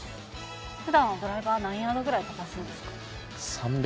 ふだんはドライバー何ヤードぐらい飛ばすんですか？